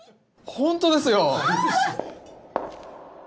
ホントですよ！